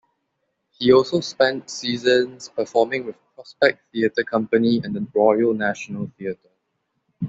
He also spent seasons performing with Prospect Theatre Company and the Royal National Theatre.